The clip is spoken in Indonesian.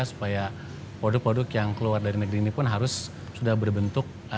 supaya produk produk yang keluar dari negeri ini pun harus sudah berbentuk